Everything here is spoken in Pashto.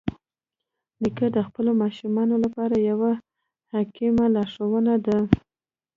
نیکه د خپلو ماشومانو لپاره یوه حکیمه لارښوونه ده.